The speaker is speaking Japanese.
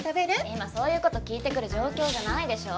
今そういう事聞いてくる状況じゃないでしょ。